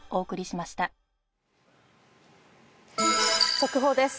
速報です。